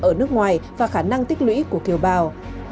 ở nước ngoài và khả năng tích lũy của kiều bào